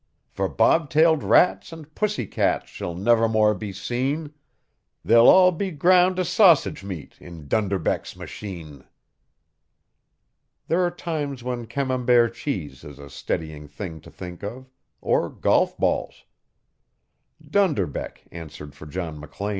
For bob tailed rats and pussy cats shall never more be seen; They'll all be ground to sausage meat in Dunderbeck's machine." There are times when Camembert cheese is a steadying thing to think of or golf balls. "Dunderbeck" answered for John McLean.